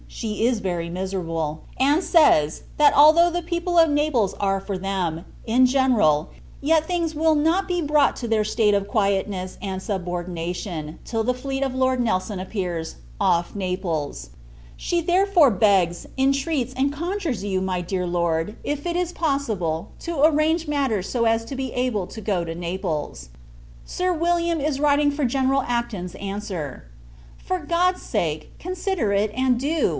She is very miserable; and says, that although the people of Naples are for them, in general, YET things will not be brought to that state of quietness and subordination, till the fleet of Lord Nelson appears off Naples. She therefore begs, intreats, and conjures you, my dear Lord, if it is possible, to arrange matters so as to be able to go to Naples. Sir William is writing for General Acton's answer. For God's sake, consider it, and do!